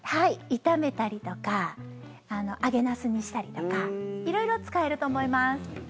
炒めたりとか揚げナスにしたりとか色々使えると思います。